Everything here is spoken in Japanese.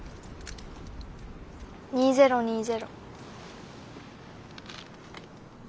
２０２０。